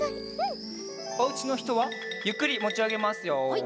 おうちのひとはゆっくりもちあげますよ。